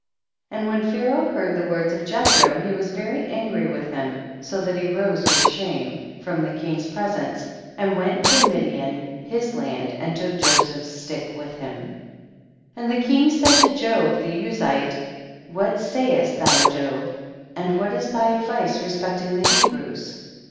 41. And when Pharaoh heard the words of Jethro he was very angry with him, so that he rose with shame 212 THE BOOK OF JASHER. from the king's presence, and went to Midian, his land, and took Joseph's stick with him. 42. And the king said to Job the Uzite, what sayest thou Job, and what is thy advice respecting the Hebrews